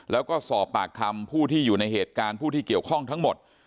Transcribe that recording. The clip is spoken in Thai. แล้วก็สอบปากคำผู้ที่อยู่ในเหตุการณ์ผู้ที่เกี่ยวข้องทั้งหมด